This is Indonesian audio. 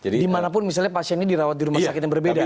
di mana pun pasiennya di rawat di rumah sakit yang berbeda